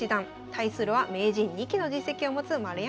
対するは名人２期の実績を持つ丸山九段です。